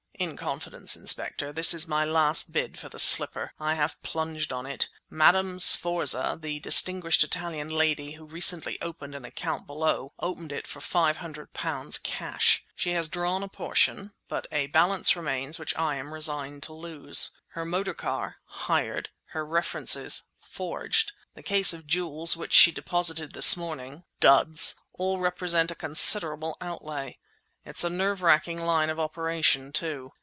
In confidence, Inspector, this is my last bid for the slipper! I have plunged on it. Madame Sforza, the distinguished Italian lady who recently opened an account below, opened it for 500 pounds cash. She has drawn a portion, but a balance remains which I am resigned to lose. Her motor car (hired), her references (forged), the case of jewels which she deposited this morning (duds!)—all represent a considerable outlay. It's a nerve racking line of operation, too.